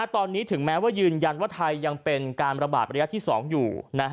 ตอนนี้ถึงแม้ว่ายืนยันว่าไทยยังเป็นการระบาดระยะที่๒อยู่